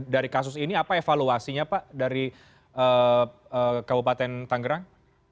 dari kasus ini apa evaluasinya pak dari kabupaten tangerang